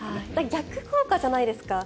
逆効果じゃないですか？